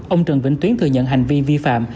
ông trần vĩnh tuyến thừa nhận hành vi vi phạm